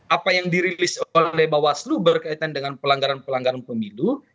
apa yang dirilis oleh bawaslu berkaitan dengan pelanggaran pelanggaran pemilu